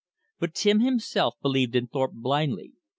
But Tim himself believed in Thorpe blindly.